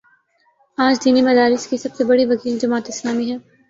آج دینی مدارس کی سب سے بڑی وکیل جماعت اسلامی ہے۔